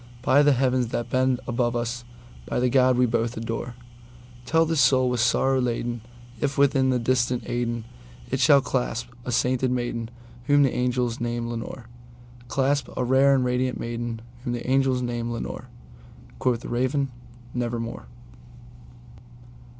By that Heaven that bends above us, by that God we both adore, Tell this soul with sorrow laden if, within the distant Aidenn, It shall clasp a sainted maiden whom the angels name Lenore:Clasp a rare and radiant maiden whom the angels name Lenore!"Quoth the Raven, "Nevermore."